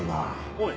おい！